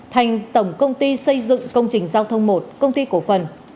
thành tổng công ty xây dựng công trình giao thông một công ty cổ phần